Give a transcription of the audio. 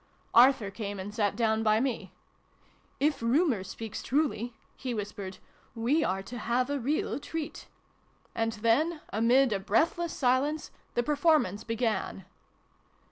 Arthur came and sat down by me. "If rumour speaks truly," he whispered, " we are to have a real treat !" And then, amid a breath less silence, the performance began.